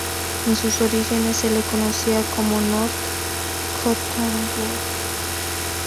En sus orígenes se la conocía como North Cottonwood.